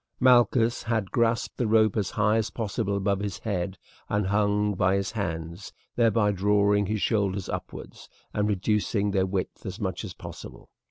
Malchus had grasped the rope as high as possible above his head and hung by his hands, thereby drawing the shoulders upwards, and reducing their width as much as possible.